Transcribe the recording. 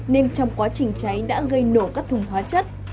nên trong quá trình cháy đã gây nổ các thùng hóa chất